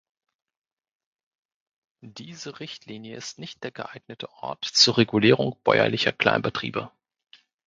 Diese Richtlinie ist nicht der geeignete Ort zur Regulierung bäuerlicher Kleinbetriebe.